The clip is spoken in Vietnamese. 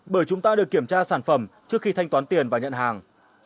bởi chúng ta được kiểm tra sản phẩm trước khi thanh toán tiền và nhận hàng